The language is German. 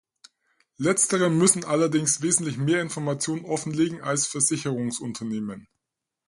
Letztere müssen allerdings wesentlich mehr Informationen offen legen als Versicherungsunternehmen.